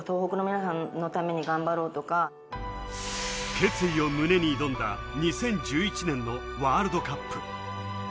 決意を胸に挑んだ２０１１年のワールドカップ。